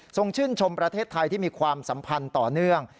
ชื่นชมประเทศไทยที่มีความสัมพันธ์ต่อเนื่อง